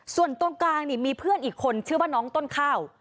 ส่วนตรงกลางนี่มีเพื่อนอีกคนชื่อว่าน้องต้นข้าว